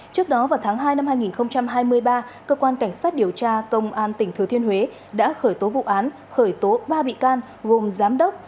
trước đó vào tháng hai năm hai nghìn hai mươi ba cơ quan cảnh sát điều tra công an tỉnh thừa thiên huế đã khởi tố vụ án khởi tố ba bị can gồm giám đốc